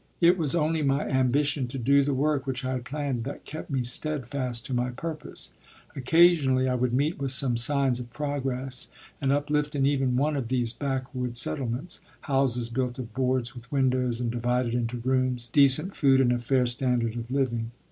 It was only my ambition to do the work which I had planned that kept me steadfast to my purpose. Occasionally I would meet with some signs of progress and uplift in even one of these back wood settlements houses built of boards, with windows, and divided into rooms; decent food, and a fair standard of living.